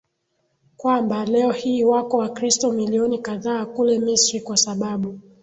kwamba leo hii wako Wakristo milioni kadhaa kule Misri kwa sababu